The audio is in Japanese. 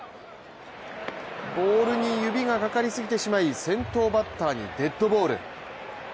ボールに指がかかりすぎてしまい先頭バッターにデッドボール。